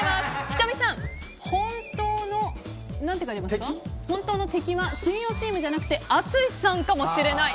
仁美さん、本当の敵は水曜チームじゃなくて淳さんかもしれない。